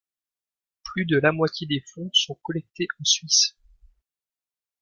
Plus de la moitié des fonds sont collectés en Suisse.